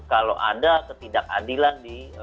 kalau ada ketidakadilan